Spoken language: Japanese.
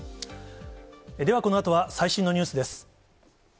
ではこのあとは最新のニュースです。